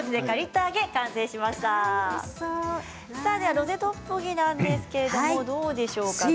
ロゼトッポギなんですがどうでしょうか。